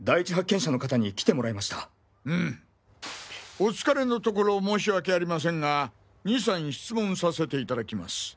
お疲れのところ申し訳ありませんが２３質問させて頂きます。